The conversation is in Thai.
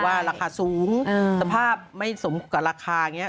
ราคาสูงสภาพไม่สมกับราคาอย่างนี้